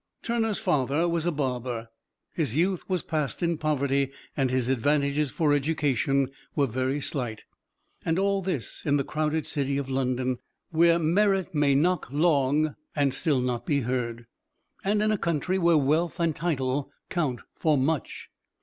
Turner's father was a barber. His youth was passed in poverty and his advantages for education were very slight. And all this in the crowded city of London, where merit may knock long and still not be heard, and in a country where wealth and title count for much.